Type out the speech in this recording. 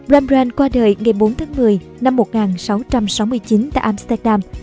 rambrah qua đời ngày bốn tháng một mươi năm một nghìn sáu trăm sáu mươi chín tại amsterdam